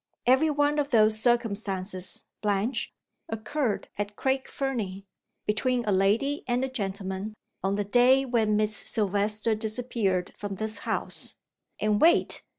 Every one of those circumstances, Blanche, occurred at Craig Fernie, between a lady and a gentleman, on the day when Miss Silvester disappeared from this house And wait!